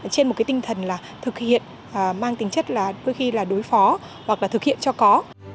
trên một cái tinh thần là thực hiện mang tính chất là đôi khi là đối phó hoặc là thực hiện cho có